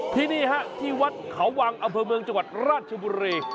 ที่นี่ฮะที่วัดเขาวังอำเภอเมืองจังหวัดราชบุรี